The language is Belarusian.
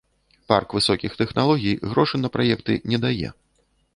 Парк высокіх тэхналогій грошы на праекты не дае.